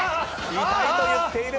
「痛い」と言っている。